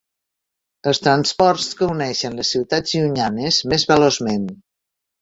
Els transports que uneixen les ciutats llunyanes més veloçment.